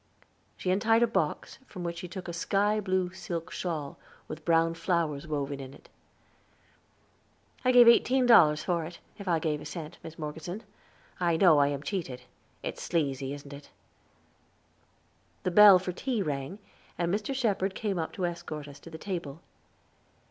She untied a box, from which she took a sky blue silk shawl, with brown flowers woven in it. "I gave eighteen dollars for it, if I gave a cent, Mis Morgeson; I know I am cheated. It's sleazy, isn't it?" The bell for tea rang, and Mr. Shepherd came up to escort us to the table.